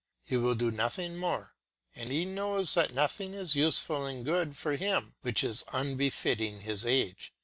He will do nothing more, and he knows that nothing is useful and good for him which is unbefitting his age.